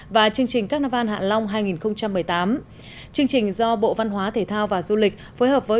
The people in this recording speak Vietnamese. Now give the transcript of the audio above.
và chương trình carnival hạ long hai nghìn một mươi tám chương trình do bộ văn hóa thể thao và du lịch phối hợp với